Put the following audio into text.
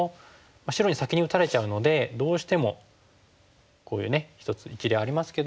白に先に打たれちゃうのでどうしてもこういうね一つ一例ありますけども。